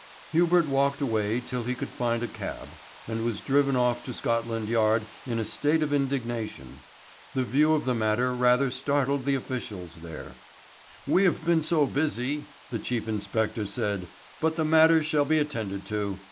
Hubert walked away till he could find a cab, and was driven off to Scotland Yard in a state of indignation. The view of the matter rather startled the officials there. "We have been so busy," the Chief Inspector said; "but the matter shall be attended to.